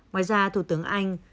ngoài ra thủ tướng anh